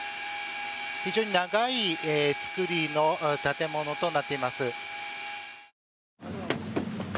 非常に長い造りの建物となっています。